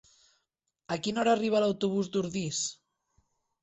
A quina hora arriba l'autobús d'Ordis?